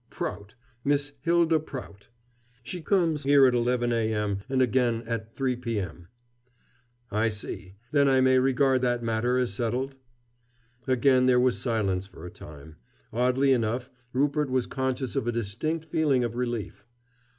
"Prout Miss Hylda Prout. She comes here at 11 a.m. and again at 3 p.m." "I see. Then I may regard that matter as settled?" Again there was silence for a time. Oddly enough, Rupert was conscious of a distinct feeling of relief.